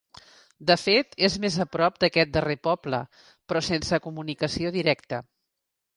De fet, és més a prop d'aquest darrer poble, però sense comunicació directa.